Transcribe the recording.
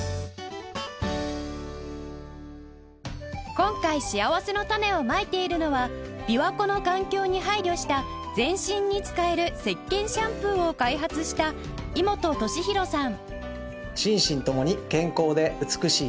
今回しあわせのたねをまいているのは琵琶湖の環境に配慮した全身に使える石けんシャンプーを開発した井本敏洋さん